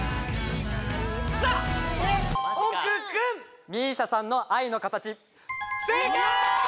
さあ奥君ＭＩＳＩＡさんの正解！